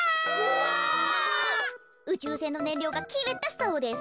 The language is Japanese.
うちゅうせんのねんりょうがきれたそうです。